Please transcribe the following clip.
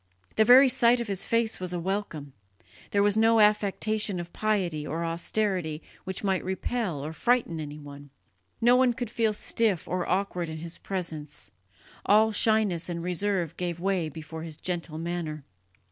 The very sight of his face was a welcome; there was no affectation of piety or austerity which might repel or frighten anyone; no one could feel stiff or awkward in his presence, all shyness and reserve gave way before his gentle manner.